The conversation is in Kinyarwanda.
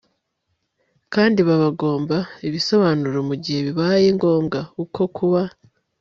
kandi babagomba ibisobanuro mu gihe bibaye ngombwa. uko kuba